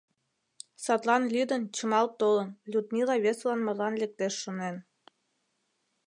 Садлан лӱдын, чымалт толын, Людмила весылан марлан лектеш, шонен.